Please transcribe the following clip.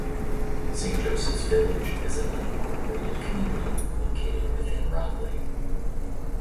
Saint Josephs Village is an unincorporated community located within Rockleigh.